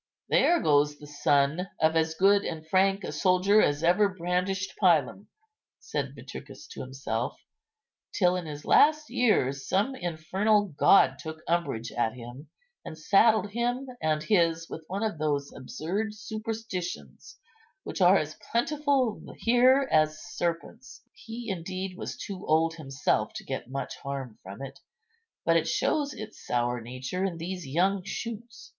"There goes the son of as good and frank a soldier as ever brandished pilum," said Vitricus to himself, "till in his last years some infernal god took umbrage at him, and saddled him and his with one of those absurd superstitions which are as plentiful here as serpents. He indeed was too old himself to get much harm from it; but it shows its sour nature in these young shoots.